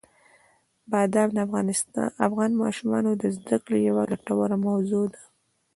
بادام د افغان ماشومانو د زده کړې یوه ګټوره موضوع ده.